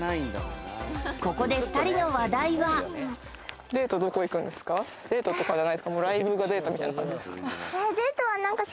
ここで２人の話題はデートとかじゃないですか？